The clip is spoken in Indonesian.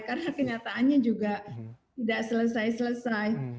karena kenyataannya juga tidak selesai selesai